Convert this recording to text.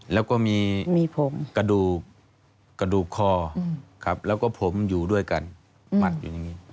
แล้วก็มีกระดูกกระดูกคอครับแล้วก็ผมอยู่ด้วยกันมัดอยู่อย่างนี้